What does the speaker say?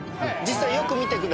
よく見てください。